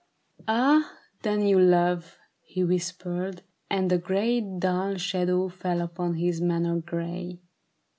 "Ah then, you love," he whispered ; and a gray Dull shadow fell upon his manner gay.